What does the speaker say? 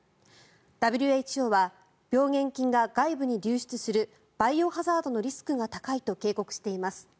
ＷＨＯは病原菌が外部に流出するバイオハザードのリスクが高いと警告しています。